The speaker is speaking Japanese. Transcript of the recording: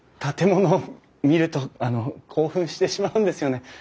建物を見るとあの興奮してしまうんですよね。